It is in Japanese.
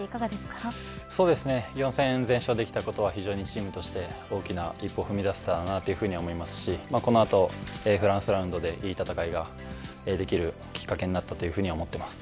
４戦全勝できたことはチームとして大きな一歩を踏み出せたと思いますしこの後、フランスラウンドでいい戦いができるきっかけになったと思っています。